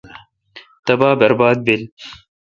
تبا برباد بیل۔